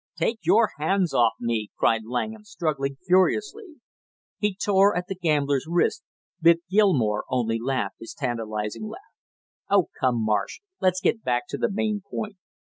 "Take your hands off me!" cried Langham, struggling fiercely. He tore at the gambler's wrists, but Gilmore only laughed his tantalizing laugh. "Oh, come, Marsh, let's get back to the main point.